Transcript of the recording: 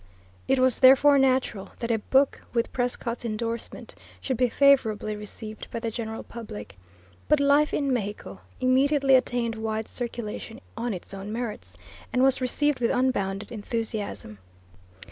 It was therefore natural that a book with Prescott's endorsement should be favourably received by the general public; but Life in Mexico immediately attained wide circulation on its own merits, and was received with unbounded enthusiasm.